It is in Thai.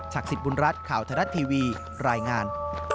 ศักดิ์สิทธิ์บุญรัฐข่าวทรัฐทีวีรายงาน